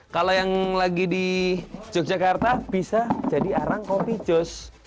kalau yang lagi di yogyakarta bisa jadi arang kopi jus